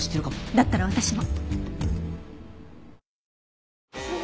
だったら私も。